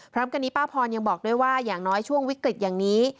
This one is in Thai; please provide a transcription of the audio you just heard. พร้อมกันนี้ป้าพรยังบอกด้วยว่าอย่างน้อยช่วงวิกฤตอย่างนี้